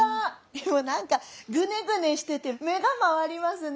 でも何かグネグネしてて目が回りますね。